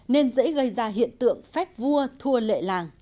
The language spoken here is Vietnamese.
nên dễ gây ra hiện tượng hợp lý